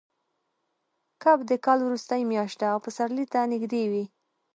کب د کال وروستۍ میاشت ده او پسرلي ته نږدې وي.